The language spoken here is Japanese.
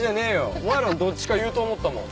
お前らのどっちか言うと思ったもん。